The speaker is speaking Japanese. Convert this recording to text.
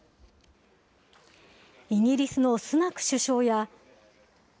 イギリスのスナク首相や。